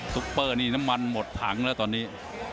ซุปเปอร์นี่น้ำมันหมดถังแล้วตอนนี้